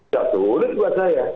sudah sulit buat saya